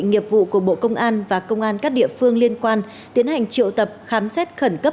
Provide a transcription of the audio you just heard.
nghiệp vụ của bộ công an và công an các địa phương liên quan tiến hành triệu tập khám xét khẩn cấp